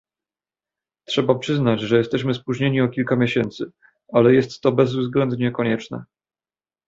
Trzeba przyznać, że jesteśmy spóźnieni o kilka miesięcy, ale jest to bezwzględnie konieczne